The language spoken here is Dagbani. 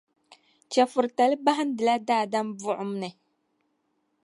Chεfuritali bahindila daadam buɣim ni.